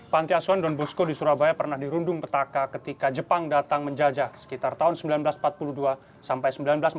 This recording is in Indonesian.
panti asuhan don bosco di surabaya pernah dirundung petaka ketika jepang datang menjajah sekitar tahun seribu sembilan ratus empat puluh dua sampai seribu sembilan ratus empat puluh